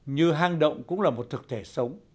như hang động cũng là một thực thể sống